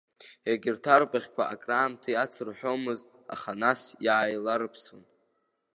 Егьырҭ арбаӷьқәа акраамҭа иацырҳәомызт, аха, нас иааиларыԥсон.